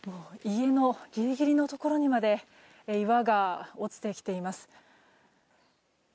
家のギリギリのところにまで岩が落ちてきています。